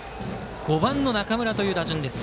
５番の中村という打順です。